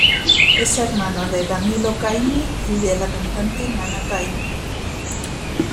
Es hermano de Danilo Caymmi y de la cantante Nana Caymmi.